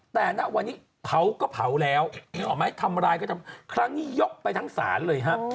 แต่วันนี้เผาก็เผาแล้วทำอะไรก็ทำครั้งนี้ยกไปทั้งศาลเลย